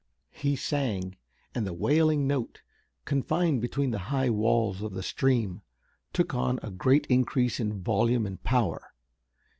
He sang, and the wailing note, confined between the high walls of the stream, took on a great increase in volume and power.